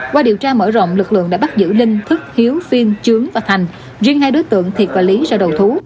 qua điều tra mở rộng lực lượng đã bắt giữ linh thức hiếu phiên trướng và thành riêng hai đối tượng thiệt và lý ra đầu thú